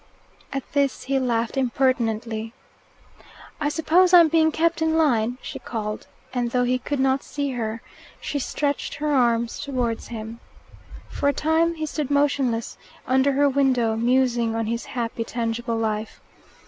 At this he laughed impertinently. "I suppose I'm being kept in line," she called, and, though he could not see her, she stretched her arms towards him. For a time he stood motionless, under her window, musing on his happy tangible life.